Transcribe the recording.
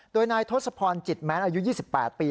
โดยนายทศพรจิตแม้นอายุ๒๘ปี